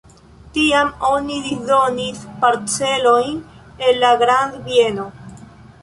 Tiam oni disdonis parcelojn el la grandbieno.